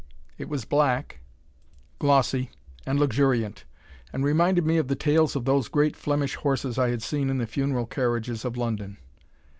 It was black, glossy, and luxuriant, and reminded me of the tails of those great Flemish horses I had seen in the funeral carriages of London.